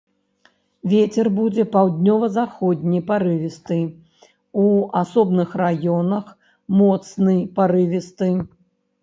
Вецер будзе паўднёва-заходні парывісты, у асобных раёнах моцны парывісты.